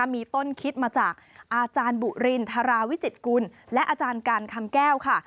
มีต้นคิดมาจากอาจารย์บุรินทราวิจิตกุลและอาจารย์กันคำแก้วค่ะ